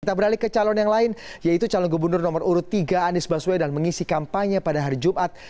kita beralih ke calon yang lain yaitu calon gubernur nomor urut tiga anies baswedan mengisi kampanye pada hari jumat